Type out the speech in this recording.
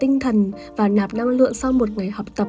mình đã chăm sóc